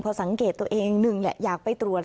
พอสังเกตตัวเองหนึ่งแหละอยากไปตรวจ